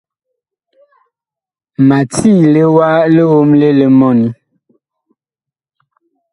Ma tiile wa liomle li mɔni.